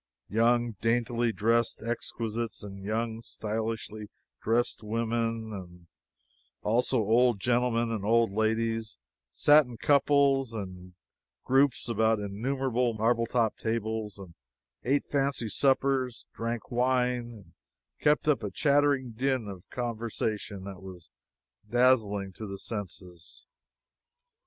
Young, daintily dressed exquisites and young, stylishly dressed women, and also old gentlemen and old ladies, sat in couples and groups about innumerable marble topped tables and ate fancy suppers, drank wine, and kept up a chattering din of conversation that was dazing to the senses.